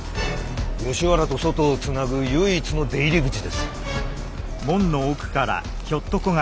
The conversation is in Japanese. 吉原と外をつなぐ唯一の出入り口です。